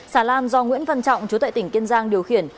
xà lan do nguyễn văn trọng chú tại tỉnh kiên giang điều khiển